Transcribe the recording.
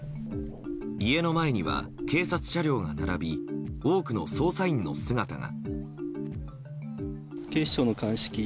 家の前には警察車両が並び多くの捜査員の姿が。